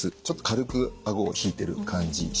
ちょっと軽くあごを引いてる感じ